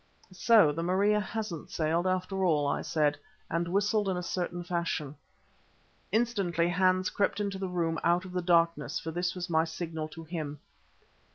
"So the Maria hasn't sailed after all," I said, and whistled in a certain fashion. Instantly Hans crept into the room out of the darkness, for this was my signal to him.